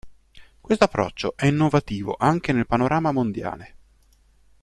Questo approccio è innovativo anche nel panorama mondiale.